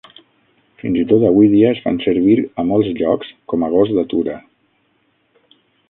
Fins i tot avui dia es fan servir a molts llocs com a gos d'atura.